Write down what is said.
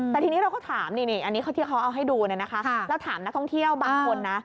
แต่ทีนี้เราก็ถามนี่อันนี้ที่เขาเอาให้ดูนะคะแล้วถามนักท่องเที่ยวบางคนนะ